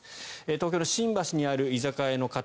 東京の新橋にある居酒屋の方